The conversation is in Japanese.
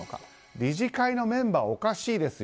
理事会のメンバーおかしいですよ。